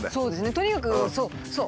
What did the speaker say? とにかくそうそう。